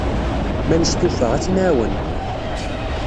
Ma nestufa, ad t-nɛawen.